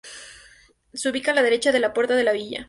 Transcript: Se ubica a la derecha de la puerta de la villa.